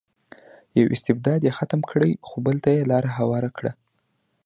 یو استبداد یې ختم کړی خو بل ته یې لار هواره کړې.